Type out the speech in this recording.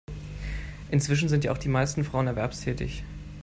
Inzwischen sind ja auch die meisten Frauen erwerbstätig.